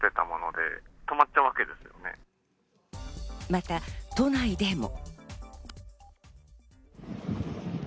また都内でも。